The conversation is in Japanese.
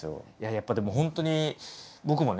やっぱでも本当に僕もね